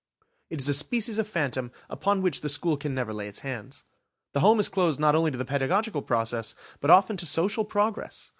It is a species of phantom upon which the school can never lay its hands. The home is closed not only to the pedagogical progress, but often to social progress.